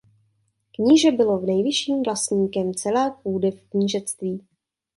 Kníže bylo nejvyšším vlastníkem celé půdy v knížectví.